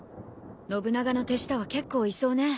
信長の手下は結構いそうね。